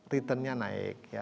returnnya naik ya